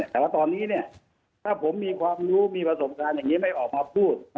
แต่ว่าตอนนี้เนี่ยถ้าผมมีความรู้มีประสบการณ์อย่างนี้ไม่ออกมาพูด